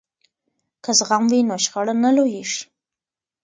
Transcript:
که زغم وي نو شخړه نه لویږي.